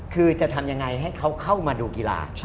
คือจะทำยังไงให้เขาเข้ามาดูกีฬา